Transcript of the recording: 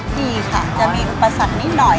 ดีค่ะจะมีอุปสรรคนิดหน่อย